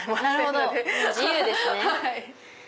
もう自由ですね。